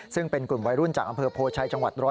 ซึ่งเป็นกลุ่มวัยรุ่นจากอำเภอโพชัยจังหวัด๑๐